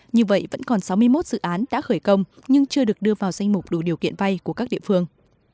như vậy vẫn còn sáu mươi một dự án đã khởi công nhưng chưa được đưa vào danh mục đủ điều kiện vay của các địa phương